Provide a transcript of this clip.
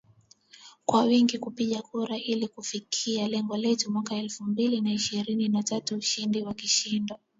kwa wingi kupiga kura ili tufikie lengo letu mwaka elfu mbili na ishirini na tatu ushindi wa kishindo